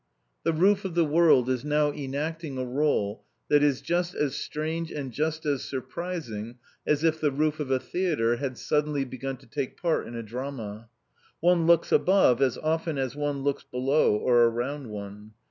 The roof of the world is now enacting a rôle that is just as strange and just as surprising as if the roof of a theatre had suddenly begun to take part in a drama. One looks above as often as one looks below or around one.